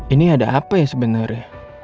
ini ada apa ya sebenarnya